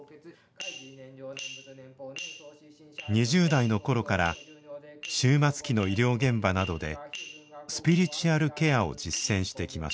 ２０代の頃から終末期の医療現場などでスピリチュアルケアを実践してきました。